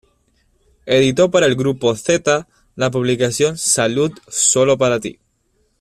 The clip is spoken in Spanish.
Editó para el Grupo Zeta la publicación "Salud solo para ti".